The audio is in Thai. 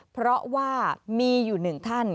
เพราะว่ามีอยู่หนึ่งท่าน